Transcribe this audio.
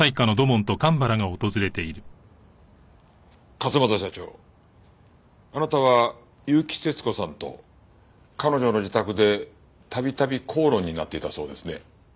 勝又社長あなたは結城節子さんと彼女の自宅で度々口論になっていたそうですね。